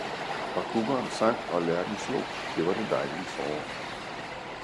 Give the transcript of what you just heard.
Og kukkeren sang og lærken slog, det var det dejlige forår.